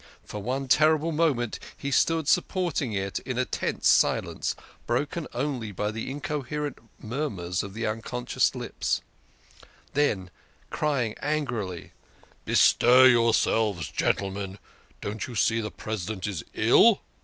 For one terrible moment he stood supporting it in a tense silence, broken only by the incoherent murmurs of the unconscious lips ; then crying angrily, " Bestir your selves, gentlemen, don't you see the President is ill?"